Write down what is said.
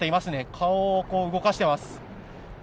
顔を動かしています。